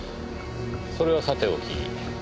それはさておき